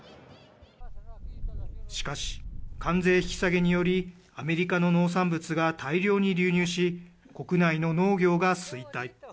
しかし、関税引き下げにより、アメリカの農産物が大量に流入し、国内の農業が衰退。